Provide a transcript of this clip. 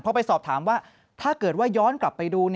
พอไปสอบถามว่าถ้าเกิดว่าย้อนกลับไปดู